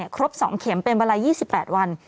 ครบ๒เข็มเป็นเวลา๒๘วัน